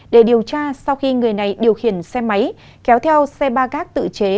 để điều tra sau khi người này điều khiển xe máy kéo theo xe ba gác tự chế